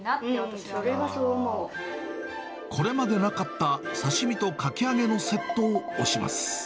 これまでなかった刺身とかき揚げのセットを推します。